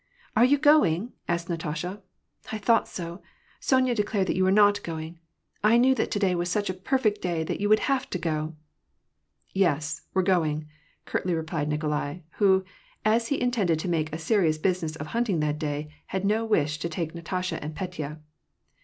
" Are you going ?" asked Natasha. " I thought so ! Sonya declared that you were not going. I knew that to day was such a perfect day that you would have to go." " Yes, we're going," curtly replied Nikolai, who, as he in tended to make a serious business of hunting that day, had no wish to take Natasha and Petya.